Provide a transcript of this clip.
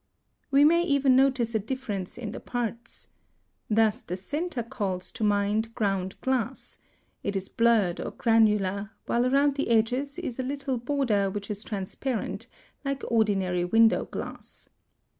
We may even notice a difference in the parts. Thus the center calls to mind ground glass; it is blurred or granular, while around the edges is a little border which is transparent, like ordinary window glass.